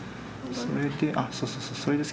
それであっそうそう